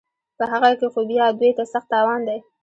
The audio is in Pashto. په هغه کې خو بیا دوی ته سخت تاوان دی